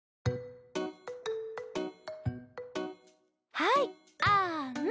はいあん。